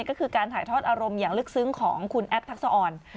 ก็คือการถ่ายทอดอารมณ์อย่างลึกซึ้งของคุณแอปทักษะอ่อน